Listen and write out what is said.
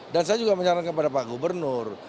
dan saya juga menyarankan kepada pak gubernur